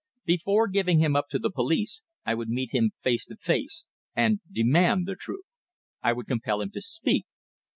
Before giving him up to the police I would meet him face to face and demand the truth. I would compel him to speak.